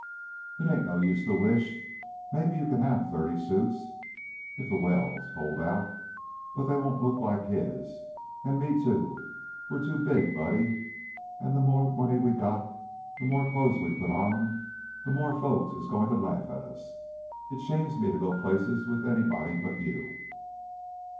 "It ain't no use to wish. Mebbe you can have thirty suits if the wells hold out, but they won't look like his. And me, too. We're too big, Buddy, an' the more money we got, the more clo's we put on, the more folks is goin' to laugh at us. It shames me to go places with anybody but you."